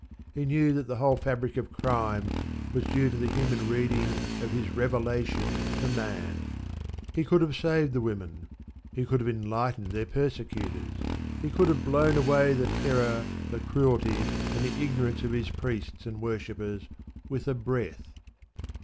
He knew that the whole fabric of crime was due to the human reading of His "revelation" to man. He could have saved the women; He could have enlightened their persecutors; He could have blown away the terror, the cruelty, and the ignorance of His priests and worshippers with a breath.